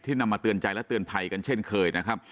นำมาเตือนใจและเตือนภัยกันเช่นเคยนะครับ